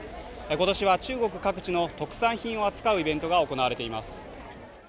今年は中国各地の特産品を扱うイベントが行われています。